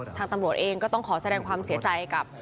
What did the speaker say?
ทางตำรวจเองก็ต้องขอแสดงความเสียใจกับ